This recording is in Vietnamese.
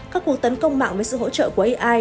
các cuộc tấn công mạng với sự hỗ trợ của ai